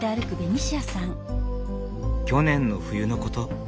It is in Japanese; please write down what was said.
去年の冬のこと。